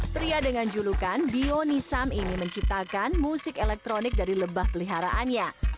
pria dengan julukan bionisam ini menciptakan musik elektronik dari lebah peliharaannya